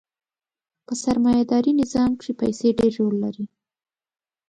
په سرمایه داري نظام کښې پیسې ډېر رول لري.